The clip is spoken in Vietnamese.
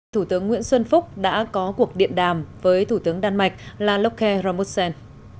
thủ tướng nguyễn xuân phúc đã có cuộc điện đàm với thủ tướng đan mạch là locke rommelsen